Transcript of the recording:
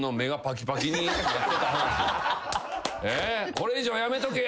「これ以上やめとけよ」